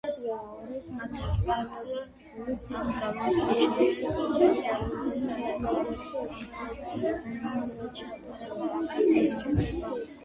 მათ ალბათ, ამ გამოსვლის შემდეგ, სპეციალური სარეკლამო კამპანიის ჩატარება აღარ დასჭირდებათ.